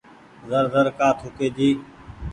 زر زر ڪآ ٿوُڪي جي۔